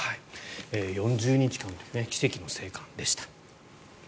４０日間、奇跡の生還でした。